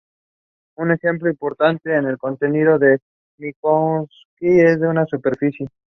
Meyendorff was a Senior Fellow at Dumbarton Oaks.